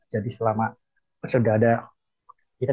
jadi selama sudah ada